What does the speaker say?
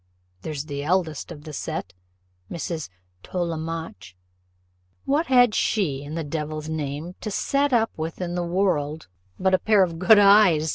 There's the eldest of the set, Mrs. Tollemache, what had she, in the devil's name, to set up with in the world but a pair of good eyes?